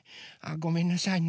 ごめんなさいね。